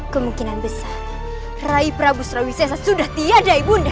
kemungkinan besar rai prabu srawisesa sudah tiada bunda